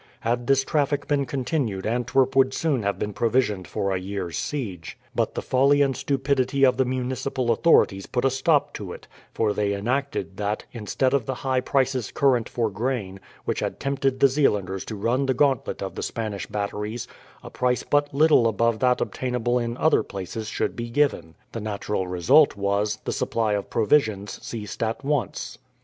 Had this traffic been continued Antwerp would soon have been provisioned for a year's siege; but the folly and stupidity of the municipal authorities put a stop to it, for they enacted that, instead of the high prices current for grain, which had tempted the Zeelanders to run the gauntlet of the Spanish batteries, a price but little above that obtainable in other places should be given. The natural result was, the supply of provisions ceased at once.